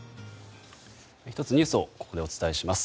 １つニュースをここでお伝えします。